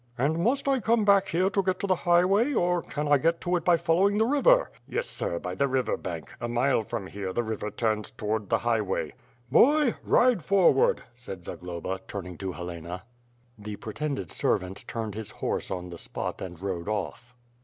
"And must I come back here to get to the highway, or can I get to it by following the river." "Yes, sir, by the river bank. A mile from here, the river turns towards the highway.'^ "Boy, ride forward,'^ said Zagloba, turning to Helena. The pretended servant turned his horse on the spot and rode off.